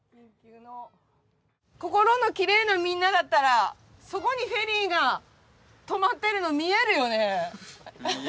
心のきれいなみんなだったらそこにフェリーがとまっているの見えるよね？